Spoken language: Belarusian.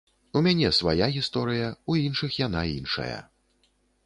У мяне свая гісторыя, у іншых яна іншая.